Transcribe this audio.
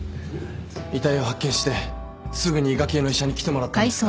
遺体を発見してすぐに伊賀系の医者に来てもらったんですが。